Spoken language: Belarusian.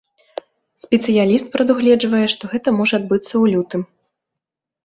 Спецыяліст прадугледжвае, што гэта можа адбыцца ў лютым.